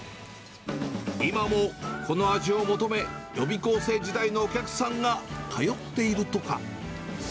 今もこの味を求め、予備校生時代のお客さんが通っているとか。